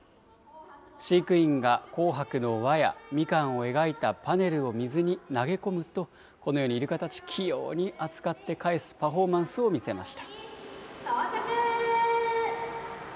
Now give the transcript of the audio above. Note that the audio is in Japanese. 飼育員が紅白の輪やみかんを描いたパネルを水に投げ込むと、このようにイルカたち、器用に扱って返すパフォーマンスを見せました。